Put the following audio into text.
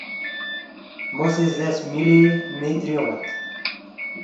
مو سی زیرس، ”میُولی می تری اون٘ید